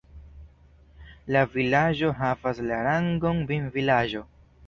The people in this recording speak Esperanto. La vilaĝo havas la rangon vinvilaĝo.